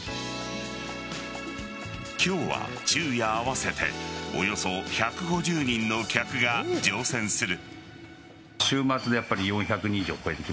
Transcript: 今日は昼夜合わせておよそ１５０人の客が乗船する。